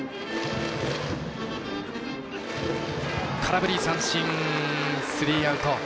空振り三振、スリーアウト。